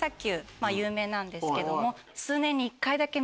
まぁ有名なんですけども。